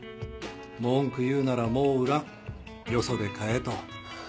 「文句言うならもう売らんよそで買え」と。